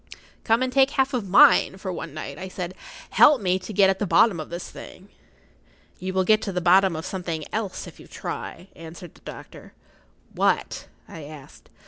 "[Pg 50] "Come and take half of mine for one night," I said. "Help me to get at the bottom of this thing." "You will get to the bottom of something else if you try," answered the doctor. "What?" I asked.